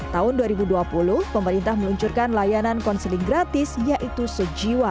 tahun dua ribu dua puluh pemerintah meluncurkan layanan konseling gratis yaitu sejiwa